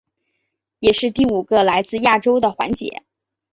也是第五个来自亚洲的环姐。